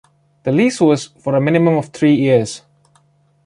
The lease was for a minimum of three years.